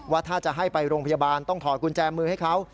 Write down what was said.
ว่าถ้าจะให้ไปโรงพยาบาลต้องถอดกุญแจมือให้เขา